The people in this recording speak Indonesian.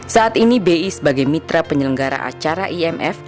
saat ini bi sebagai mitra penyelenggara acara imf